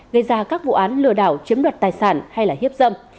gây ra các vụ án lừa đảo chiếm đoạt tài sản hay hiếp dâm